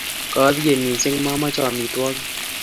Kaapiye missing' mamoche amitwogik